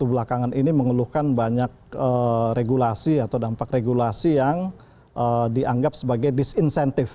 untuk ek suspension